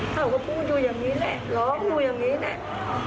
เขาก็พูดอยู่อย่างนี้แหละร้องอยู่อย่างนี้แหละ